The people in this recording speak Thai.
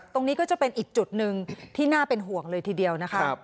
ตรงนี้ก็จะเป็นอีกจุดหนึ่งที่น่าเป็นห่วงเลยทีเดียวนะคะ